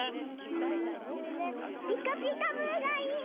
うんとね「ピカピカブ！」がいい！